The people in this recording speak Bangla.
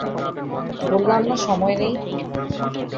বললাম না সময় নেই!